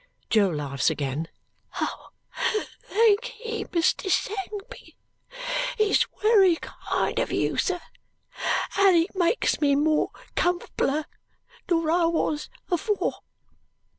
Jo laughs again. "Thankee, Mr. Sangsby. It's wery kind of you, sir, and it makes me more cumfbler nor I was afore."